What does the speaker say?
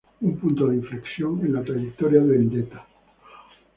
Un punto de inflexión en la trayectoria de Vendetta.